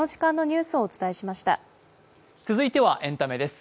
続いてはエンタメです。